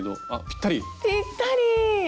ぴったり！